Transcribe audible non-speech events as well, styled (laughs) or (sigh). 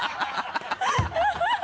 ハハハ (laughs)